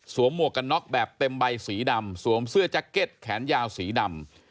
สวมหมวกกันน็อกแบบเต็มใบสีดำสวมเสื้อแขนยาวสีดำ